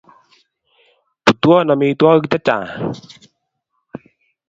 Putwon amitwakik che chang